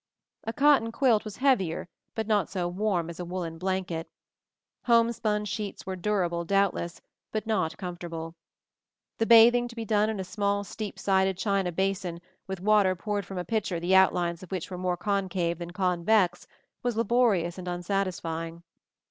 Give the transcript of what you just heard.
A cotton quilt was heavier but not so warm as a woolen blanket. Homespun sheets were durable, doubtless, but not com fortable. The bathing to be done in a small steep sided china basin, with water poured from a pitcher the outlines of which were more concave than convex, was laborious and unsatisfying.